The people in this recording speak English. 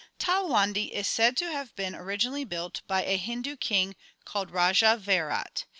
Talwandi is said to have been originally built by a Hindu king called Raja Vairat.